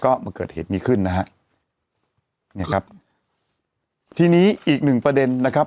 ก็มาเกิดเหตุนี้ขึ้นนะฮะเนี่ยครับทีนี้อีกหนึ่งประเด็นนะครับ